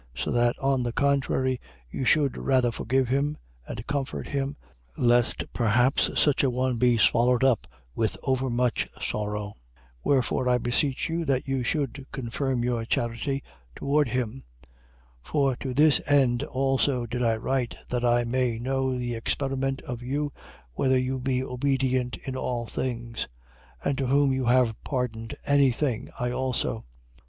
2:7. So that on the contrary, you should rather forgive him and comfort him, lest perhaps such a one be swallowed up with overmuch sorrow. 2:8. Wherefore, I beseech you that you would confirm your charity towards him. 2:9. For to this end also did I write, that I may know the experiment of you, whether you be obedient in all things. 2:10. And to whom you have pardoned any thing, I also.